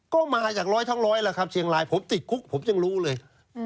ก็มาจากร้อยทั้งร้อยแล้วครับเชียงรายผมติดคุกผมยังรู้เลย